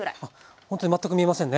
ほんとに全く見えませんね。